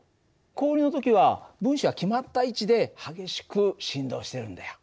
氷の時は分子は決まった位置で激しく振動してるんだよ。